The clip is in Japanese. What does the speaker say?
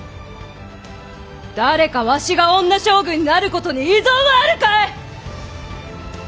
誰かわしが女将軍になることに異存はあるかえ！